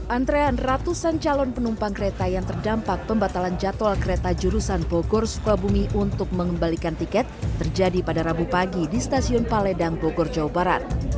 antrean ratusan calon penumpang kereta yang terdampak pembatalan jadwal kereta jurusan bogor sukabumi untuk mengembalikan tiket terjadi pada rabu pagi di stasiun paledang bogor jawa barat